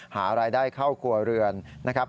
หารายได้เข้าครัวเรือนนะครับ